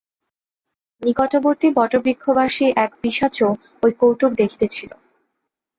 নিকটবর্তী বটবৃক্ষবাসী এক পিশাচও ঐ কৌতুক দেখিতেছিল।